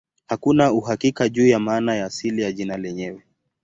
Hakuna uhakika juu ya maana ya asili ya jina lenyewe.